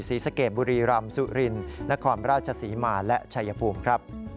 ศรีสะเกดบุรีรำสุรินนครราชศรีมาและชัยภูมิครับ